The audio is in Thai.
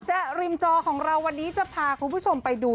ริมจอของเราวันนี้จะพาคุณผู้ชมไปดู